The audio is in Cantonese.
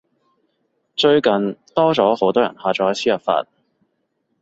最近多咗好多人下載輸入法